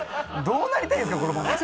「どうなりたいんですか？